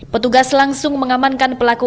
petugas langsung mengamankan pelaku